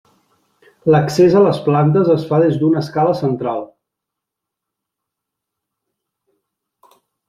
L'accés a les plantes es fa des d'una escala central.